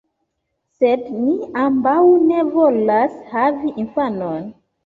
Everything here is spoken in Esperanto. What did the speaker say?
Sed ni ambaŭ ne volas havi infanon.